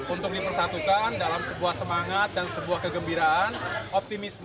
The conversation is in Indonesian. untuk dipersatukan dalam sebuah semangat dan sebuah kegembiraan optimisme